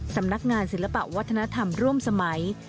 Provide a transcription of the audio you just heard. สำนักงานศิลปะวัฒนธรรมร่วมสมัย